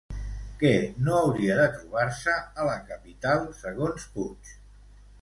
Què no hauria de trobar-se a la capital, segons Puig?